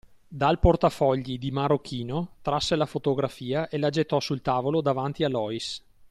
Dal portafogli di marocchino trasse la fotografia e la gettò sul tavolo davanti a Loïs.